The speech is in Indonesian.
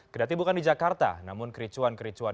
kedati bukan di jakarta namun kericuan kericuan